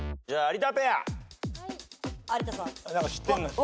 じゃあ１。